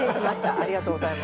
ありがとうございます。